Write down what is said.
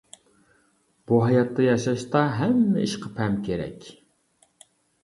بۇ ھاياتتا ياشاشتا، ھەممە ئىشقا پەم كېرەك.